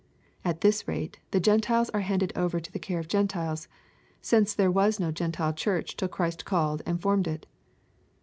At this rate, the Gentiles are handed over to the care of the Gentiles, since there was no Gentile Church till Christ called and formed it